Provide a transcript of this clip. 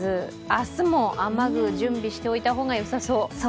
明日も雨具、準備しておいた方がよさそう？